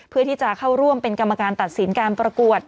เพื่อที่จะเข้าร่วมเป็นกรรมการตัดสินการประกวด